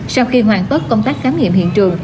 sau khi hoàn tất công tác khám nghiệm hiện trường